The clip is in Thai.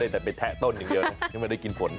ไปกันแต่แถ่ต้นครับยังไม่ได้กินผล